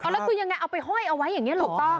แล้วคือยังไงเอาไปห้อยเอาไว้อย่างนี้ถูกต้อง